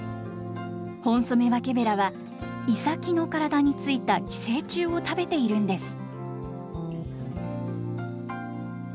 ホンソメワケベラはイサキの体に付いた寄生虫を食べているんです。